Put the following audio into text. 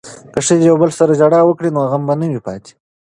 که ښځې یو بل سره ژړا وکړي نو غم به نه وي پاتې.